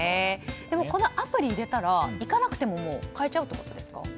でも、このアプリを入れたら行かなくても買えちゃうということですか？